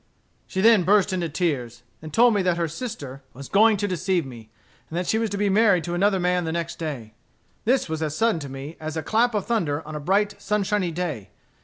"She then burst into tears, and told me that her sister was going to deceive me; and that she was to be married to another man the next day. This was as sudden to me as a clap of thunder of a bright sunshiny day.